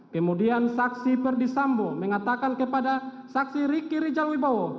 kemudian saksi perdisambo mengatakan kepada saksi ricky rijal wibowo